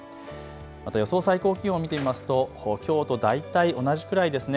また予想最高気温を見てみますと東京都大体同じくらいですね。